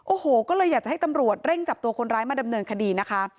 โอ้โหก็เลยอยากจะให้ตำรวจเร่งจับตัวคนร้ายมาดำเนินคดีนะคะ